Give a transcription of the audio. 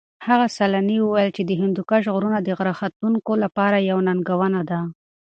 هغه سېلاني وویل چې د هندوکش غرونه د غره ختونکو لپاره یوه ننګونه ده.